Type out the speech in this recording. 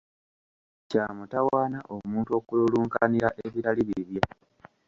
Kya mutawaana omuntu okululunkanira ebitali bibye.